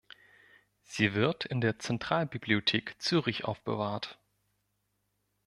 Sie wird in der Zentralbibliothek Zürich aufbewahrt.